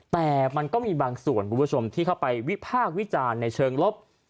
แต่มันก็มีบางส่วนคุณผู้ชมที่เข้าไปวิพากษ์วิจารณ์ในเชิงลบ